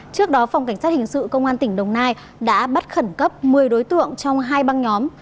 trước đó phòng cảnh sát hình sự công an tỉnh đồng nai đã bắt khẩn cấp một mươi đối tượng trong hai băng nhóm